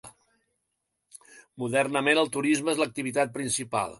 Modernament el turisme és l'activitat principal.